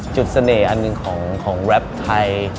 จุดเสน่ห์อันนึงของแร็พไทย